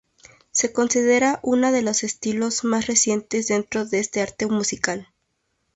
Se considera una de los estilos más recientes dentro de este arte musical.